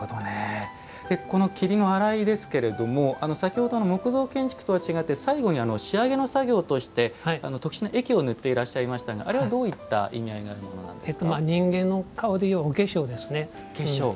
桐の洗いですけれども先ほどの木造建築とは違って最後に仕上げの作業として特殊な液を塗ってましたがあれはどういった意味合いが人間の顔で言うお化粧ですね。